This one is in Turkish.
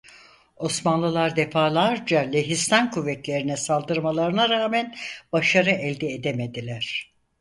Osmanlılar defalarca Lehistan kuvvetlerine saldırmalarına rağmen başarı elde edemediler.